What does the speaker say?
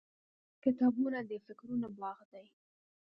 • کتابونه د فکرونو باغ دی.